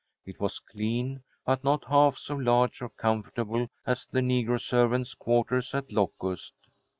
It was clean, but not half so large or comfortable as the negro servants' quarters at Locust.